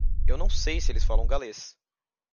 Eu não sei se eles falam galês.